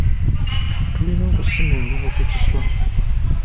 Tulina okusima envubo ku kiswa.